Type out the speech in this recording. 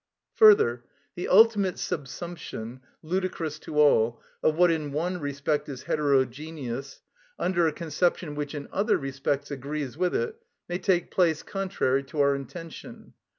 Further, the ultimate subsumption, ludicrous to all, of what in one respect is heterogeneous, under a conception which in other respects agrees with it, may take place contrary to our intention.